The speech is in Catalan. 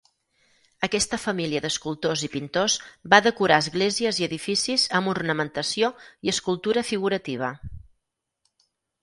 Aquesta família d'escultors i pintors va decorar esglésies i edificis amb ornamentació i escultura figurativa.